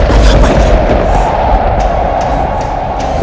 ada apa itu